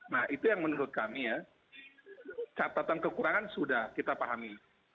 nah itu yang menurut kami ya catatan kekurangan sudah kita pahami